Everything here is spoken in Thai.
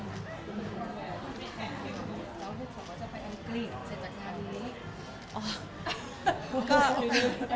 แล้วเขาบอกว่าจะไปอังกฤษเสร็จจากงานนี้